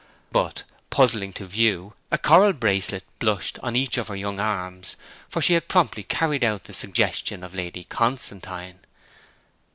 But, puzzling to view, a coral bracelet blushed on each of her young arms, for she had promptly carried out the suggestion of Lady Constantine.